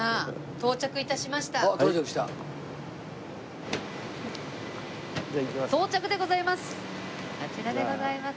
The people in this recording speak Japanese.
到着でございます！